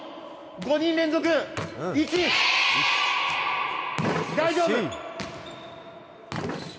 ５人連続、いけ、大丈夫！